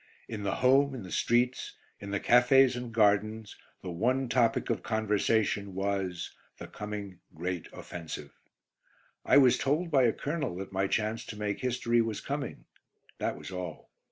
In the home, in the streets, in the cafés and gardens, the one topic of conversation was the coming Great Offensive. I was told by a colonel that my chance to make history was coming. That was all.